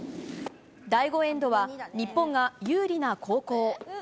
第５エンドは日本が有利な後攻。